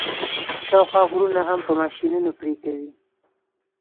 شاوخوا غرونه هم په ماشینونو پرې کوي.